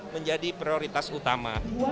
menjadi prioritas utama